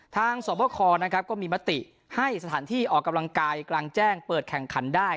สวบคนะครับก็มีมติให้สถานที่ออกกำลังกายกลางแจ้งเปิดแข่งขันได้